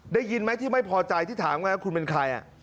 ได้ยินไหมที่ไม่พอใจที่ถามว่าคุณเป็นใคร